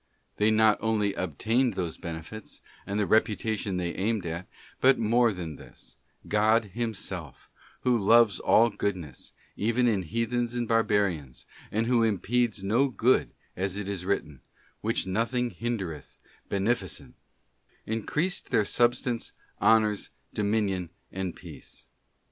They not only obtained those benefits, and the repu tation they aimed at, but more than this; God Himself, Who loves all goodness, even in heathens and barbarians, and Who impedes no good, as it is written, ' which nothing hindereth, beneficent,' * increased their substance, honours, dominion, and peace.